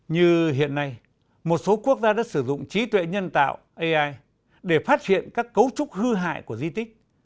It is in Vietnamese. như hiện nay một số quốc gia đã sử dụng trí tuệ nhân tạo ai để phát hiện các cấu trúc hư hại của di tích